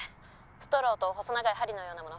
「ストローと細長い針のようなもの